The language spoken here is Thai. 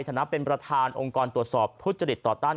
ฐานะเป็นประธานองค์กรตรวจสอบทุจริตต่อต้าน